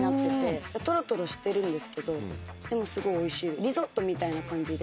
とろとろしてるんですけどすごいおいしい。